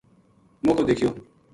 موقعو دیکھیو